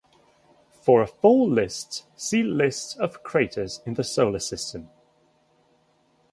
For a full list, "see List of craters in the Solar System".